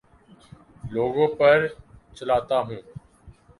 لوگوں پر چلاتا ہوں